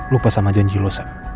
lupa sama janji lo sayang